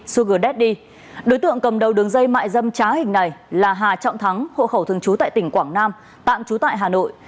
sugerdetdi đối tượng cầm đầu đường dây mại dâm trá hình này là hà trọng thắng hộ khẩu thường trú tại tỉnh quảng nam tạm trú tại hà nội